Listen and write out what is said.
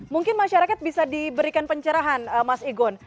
mungkin masyarakat bisa diberikan pencerahan mas igun